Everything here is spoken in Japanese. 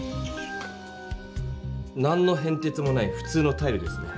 何のへんてつもないふ通のタイルですね。